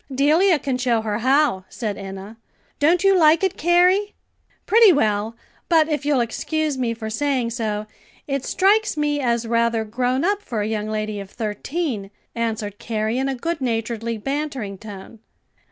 "Delia can show her how," said Enna. "Don't you like it, Carrie?" "Pretty well, but if you'll excuse me for saying so, it strikes me as rather grown up for a young lady of thirteen," answered Carrie in a good naturedly bantering tone.